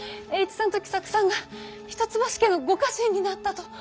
栄一さんと喜作さんが一橋家のご家臣になったと。